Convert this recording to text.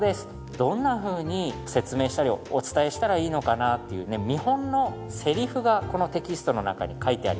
どんなふうに説明したりお伝えしたらいいのかなというね見本のセリフがこのテキストの中に書いてあります。